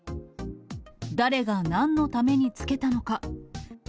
誰がなんのためにつけたのか。